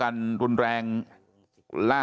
กระดิ่งเสียงเรียกว่าเด็กน้อยจุดประดิ่ง